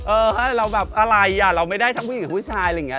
เออเราแบบอะไรอ่ะเราไม่ได้ทั้งผู้หญิงกับผู้ชายอะไรอย่างนี้